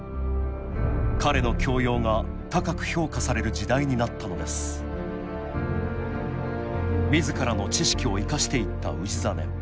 彼の教養が高く評価される時代になったのです自らの知識を生かしていった氏真。